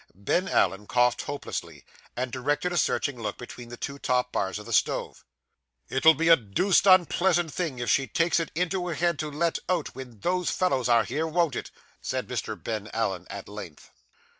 Ben Allen coughed hopelessly, and directed a searching look between the two top bars of the stove. 'It'll be a deuced unpleasant thing if she takes it into her head to let out, when those fellows are here, won't it?' said Mr. Ben Allen at length.